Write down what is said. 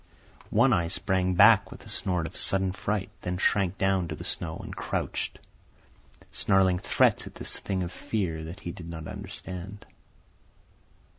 One Eye sprang back with a snort of sudden fright, then shrank down to the snow and crouched, snarling threats at this thing of fear he did not understand.